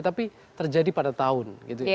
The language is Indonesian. tapi terjadi pada tahun